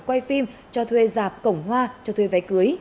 quay phim cho thuê giạp cổng hoa cho thuê váy cưới